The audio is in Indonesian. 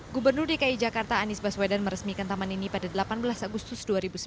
gubernur dki jakarta anies baswedan meresmikan taman ini pada delapan belas agustus dua ribu sembilan belas